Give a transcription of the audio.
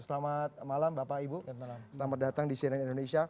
selamat malam bapak ibu selamat datang di cnn indonesia